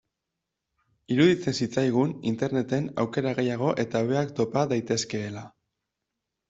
Iruditzen zitzaigun Interneten aukera gehiago eta hobeak topa daitezkeela.